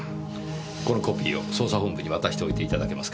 このコピーを捜査本部に渡しておいていただけますか。